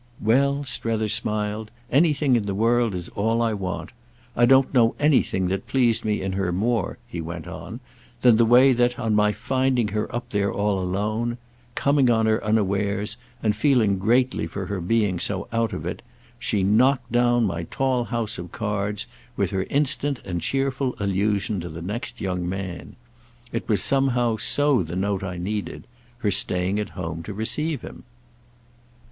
"Well," Strether smiled, "anything in the world is all I want. I don't know anything that pleased me in her more," he went on, "than the way that, on my finding her up there all alone, coming on her unawares and feeling greatly for her being so out of it, she knocked down my tall house of cards with her instant and cheerful allusion to the next young man. It was somehow so the note I needed—her staying at home to receive him."